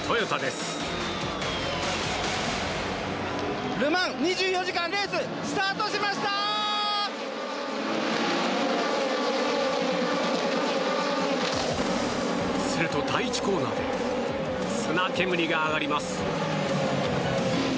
すると第１コーナーで砂煙が上がります。